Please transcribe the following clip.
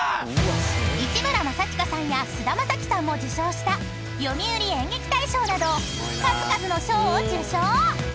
［市村正親さんや菅田将暉さんも受賞した読売演劇大賞など数々の賞を受賞］